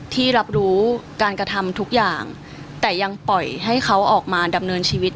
ที่รับรู้การกระทำทุกอย่างแต่ยังปล่อยให้เขาออกมาดำเนินชีวิต